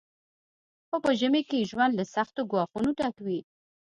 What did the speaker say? خو په ژمي کې ژوند له سختو ګواښونو ډک وي